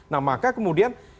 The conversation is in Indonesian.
nah maka kemudian